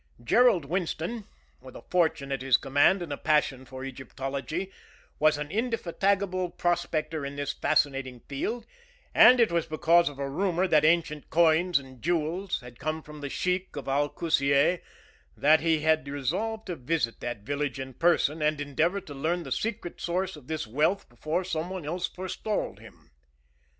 Gerald Winston, with a fortune at his command and a passion for Egyptology, was an indefatigable prospector in this fascinating field, and it was because of a rumor that ancient coins and jewels had come from the Sheik of Al Kusiyeh that he had resolved to visit that village in person and endeavor to learn the secret source of this wealth before someone else forestalled him.